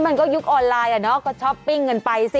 มันก็ยุคออนไลน์อ่ะเนาะก็ช้อปปิ้งกันไปสิ